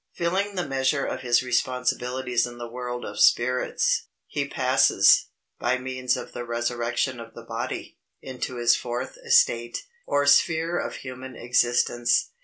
Filling the measure of his responsibilities in the world of spirits, he passes, by means of the resurrection of the body, into his fourth estate, or sphere of human existence.